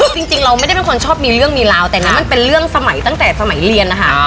จริงเราไม่ได้เป็นคนชอบมีเรื่องมีราวแต่นั้นมันเป็นเรื่องสมัยตั้งแต่สมัยเรียนนะคะ